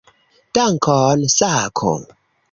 Dankon, Sako!